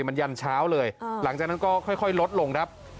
มันยันเช้าเลยหลังจากนั้นก็ค่อยลดลงครับ